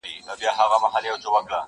د آبادۍ د کرارۍ او د ښارونو کیسې٫